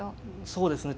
そうですね